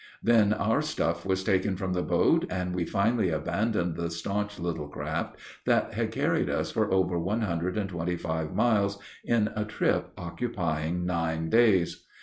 Then our stuff was taken from the boat, and we finally abandoned the stanch little craft that had carried us for over one hundred and twenty five miles in a trip occupying nine days.